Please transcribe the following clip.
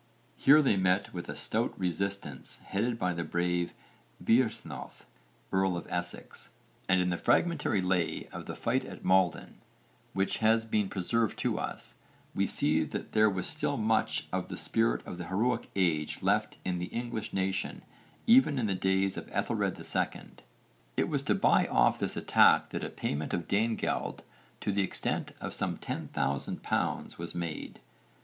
Here they met with a stout resistance headed by the brave Byrhtnoth, earl of Essex, and in the fragmentary lay of the fight at Maldon, which has been preserved to us, we see that there was still much of the spirit of the heroic age left in the English nation even in the days of Ethelred II. It was to buy off this attack that a payment of Danegeld to the extent of some ten thousand pounds was made.